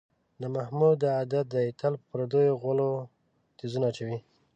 د محمود دا عادت دی، تل په پردیو غولو تیزونه اچوي.